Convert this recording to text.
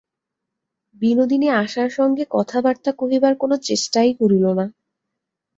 বিনোদিনী আশার সঙ্গে কথাবার্তা কহিবার কোনো চেষ্টাই করিল না।